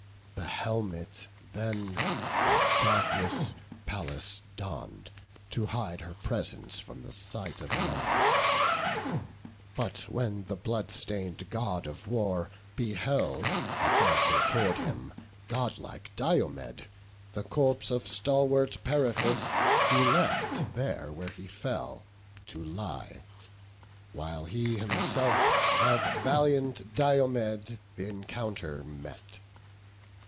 The helmet then of Darkness Pallas donn'd, To hide her presence from the sight of Mars: But when the blood stain'd God of War beheld Advancing tow'rd him godlike Diomed, The corpse of stalwart Periphas he left, There where he fell, to lie; while he himself Of valiant Diomed th' encounter met.